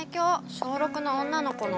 小６の女の子の。